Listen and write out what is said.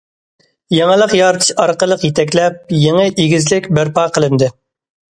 يېڭىلىق يارىتىش ئارقىلىق يېتەكلەپ، يېڭى ئېگىزلىك بەرپا قىلىندى.